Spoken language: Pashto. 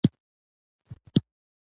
سبزي ګولور په روغتیا کې د ښه رول لري.